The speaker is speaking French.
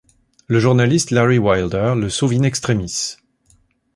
Le journaliste Larry Wilder le sauve in extremis.